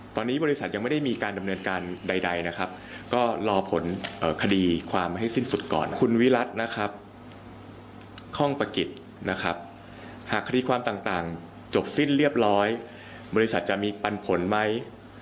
ที่เรียบร้อยบริษัทจะมีปันผลไหม